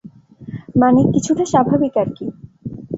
মানে, কিছুটা স্বাভাবিক আরকি।